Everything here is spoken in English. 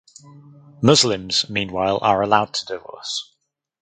Muslims meanwhile are allowed to divorce.